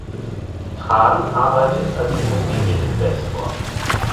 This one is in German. Tran arbeitet als Immobilieninvestor.